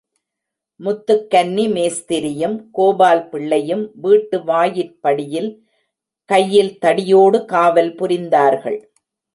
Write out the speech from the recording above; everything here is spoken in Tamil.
முத்துக்கன்னி மேஸ்திரியும், கோபால் பிள்ளையும் வீட்டு வாயிற் படியில் கையில் தடியோடு காவல் புரிந்தார்கள்.